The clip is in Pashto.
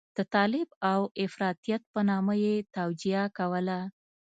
د طالب او افراطيت په نامه یې توجیه کوله.